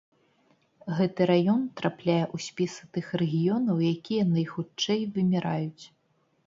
Гэты раён трапляе ў спісы тых рэгіёнаў, якія найхутчэй выміраюць.